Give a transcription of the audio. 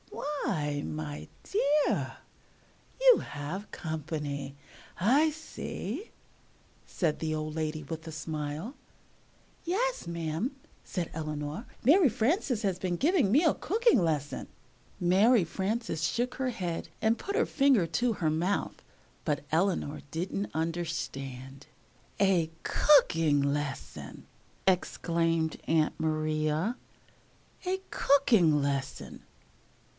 "Why, my dear, you have company, I see," said the old lady with a smile. "Yes, ma'am," said Eleanor, "Mary Frances has been giving me a cooking lesson." Mary Frances shook her head and put her finger to her mouth, but Eleanor didn't understand. [Illustration: "Oh, isn't this good."] "A cooking lesson!" exclaimed Aunt Maria. "A cooking lesson!